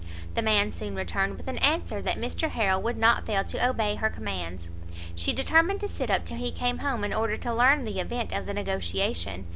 The man soon returned with an answer that Mr Harrel would not fail to obey her commands. She determined to sit up till he came home in order to learn the event of the negociation.